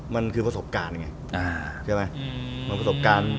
มันคือประสบการณ์ไง